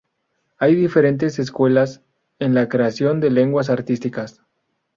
Hay diferentes "escuelas" en la creación de lenguas artísticas.